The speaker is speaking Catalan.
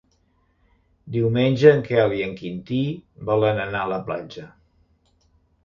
Diumenge en Quel i en Quintí volen anar a la platja.